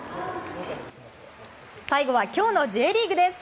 最後は今日のＪリーグです。